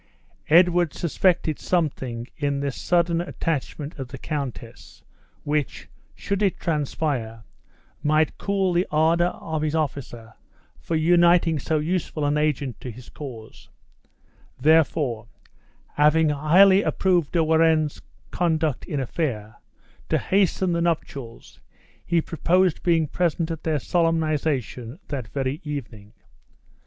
Edward suspected something in this sudden attachment of the countess, which, should it transpire, might cool the ardor of his officer for uniting so useful an agent to his cause; therefore, having highly approved De Warenne's conduct in affair, to hasten the nuptials, he proposed being present at their solemnization that very evening.